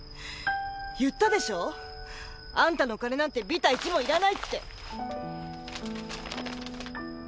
言ったでしょあんたの金なんてビタ一文いらないって。